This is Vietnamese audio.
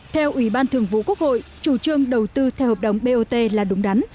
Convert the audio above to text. theo ủy ban thường vụ quốc hội chủ trương đầu tư theo hợp đồng bot là đúng đắn